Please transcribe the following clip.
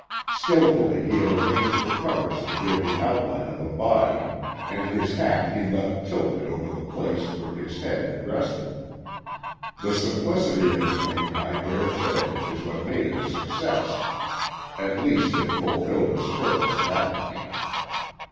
Skillfully he had arranged the covers to give the outline of a body, and his hat he left tilted over the place where his head had rested. The simplicity of the thing, I dare say, is what made it a success. At least it fulfilled its purpose that night.